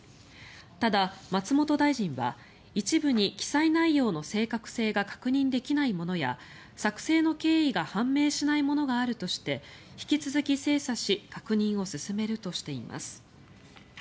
ただ、松本大臣は一部に記載内容の正確性が確認できないものや作成の経緯が判明できないものがあるとして引き続き精査し確認を進めるとしています。